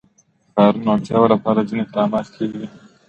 د ښارونو د اړتیاوو لپاره ځینې اقدامات کېږي.